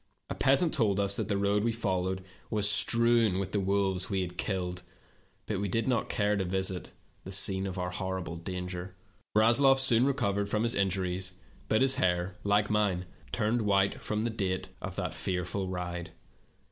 A peasant told us that the road we followed was strewn with the wolves we had killed, but we did not care to visit the scene of our terrible danger. Rasloff soon recovered from his injuries, but his hair, like mine, turned white from the date of that fearful ride.